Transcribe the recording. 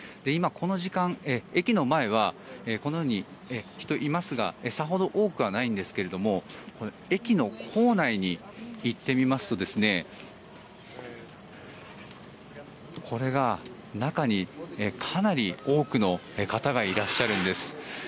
今、この時間駅の前はこのように人がいますがさほど多くはないんですが駅の構内に行ってみますとこれが中にかなり多くの方がいらっしゃるんです。